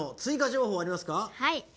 情報ありますか？